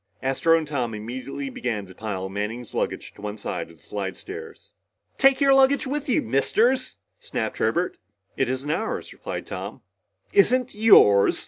Astro and Tom immediately began to pile Manning's luggage to one side of the slidestairs. "Take your luggage with you, Misters!" snapped Herbert. "It isn't ours," replied Tom. "Isn't yours?"